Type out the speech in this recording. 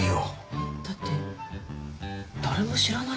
えっ？だって誰も知らないお金よ。